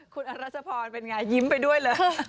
คุณอรัชพรยิ้มไปด้วยเลย